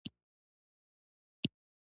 يره بې اندازه شوخ دي وخو يې نه ځورولئ.